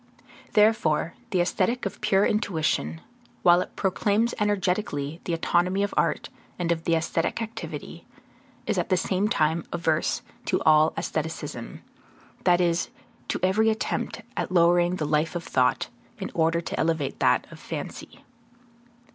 Therefore, the Aesthetic of pure intuition, while it proclaims energetically the autonomy of art and of the aesthetic activity, is at the same time averse to all aestheticism, that is, to every attempt at lowering the life of thought, in order to elevate that of fancy.